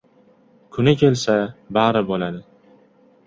Kuni kelsa, bari bo‘ladi!